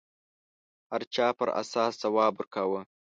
هر چا پر اساس ځواب ورکاوه